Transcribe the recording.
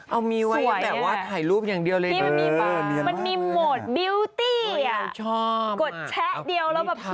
เอามีไว้แบบว่าถ่ายรูปอย่างเดียวเลยนะ